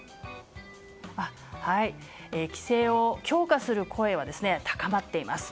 規制を強化する声は高まっています。